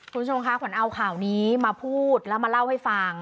คุณผู้ชมคะขวัญเอาข่าวนี้มาพูดแล้วมาเล่าให้ฟัง